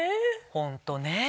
ホントねぇ。